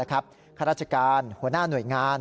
ข้าราชการหัวหน้าหน่วยงาน